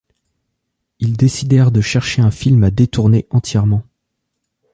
Ils décidèrent de chercher un film à détourner entièrement.